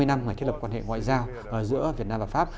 để thiết lập quan hệ ngoại giao giữa việt nam và pháp